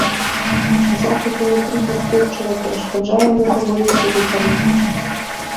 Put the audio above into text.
Захад унутры дыспетчара перашкаджае яму паводзіць сябе па-людску.